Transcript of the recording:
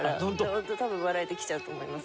ホント多分笑えてきちゃうと思います。